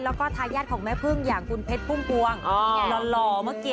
แล้วก็ทายาทของแม่พึ่งอย่างคุณเพชรพุ่มพวงหล่อเมื่อกี้